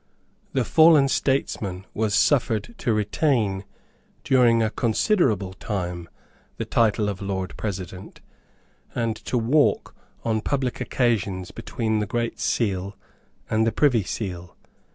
The fallen statesman was suffered to retain during a considerable time the title of Lord President, and to walk on public occasions between the Great Seal and the Privy Seal.